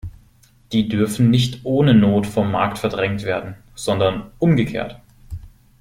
Die dürfen nicht ohne Not vom Markt verdrängt werden, sondern umgekehrt.